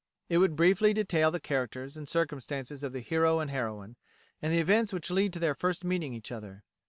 It would briefly detail the characters and circumstances of the hero and heroine, and the events which led to their first meeting each other.